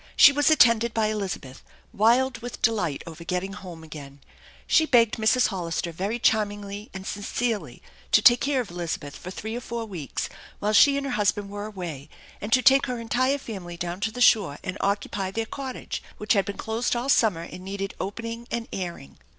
She was attended by Elizabeth, wild with delight over getting home again. She begged Mrs. Hollister very charmingly and sincerely to take care of Elizabeth for three or four weeks, while she and her husband were away, and to take her entire family down to the shore and occupy their 22* THE ENCHANTED BARN cottage, which had been closed all summer and needed open ing and airing.